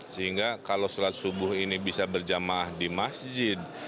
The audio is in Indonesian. sehingga kalau sholat subuh ini bisa berjamaah di masjid